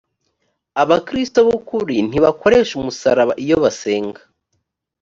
abakristo b ukuri ntibakoresha umusaraba iyo basenga